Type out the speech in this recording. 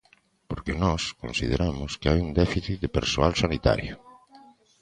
Porque nós consideramos que hai un déficit de persoal sanitario.